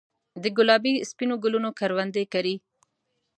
دګلابي ، سپینو ګلونو کروندې کرې